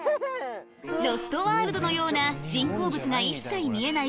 ロストワールドのような人工物が一切見えない